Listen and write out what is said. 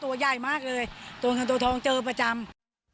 ตัวใหญ่มากเลยตัวเงินตัวทองเจอประจำ